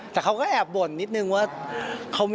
แต่เขาก็แอบบ่นนิดนึงว่า